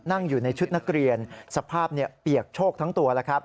นั่งอยู่ในชุดนักเรียนสภาพเปียกโชคทั้งตัวแล้วครับ